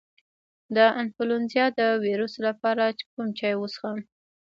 د انفلونزا د ویروس لپاره کوم چای وڅښم؟